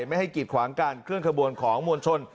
ไม่ให้กีดขวางการเคลื่อนขบวนของมวลชน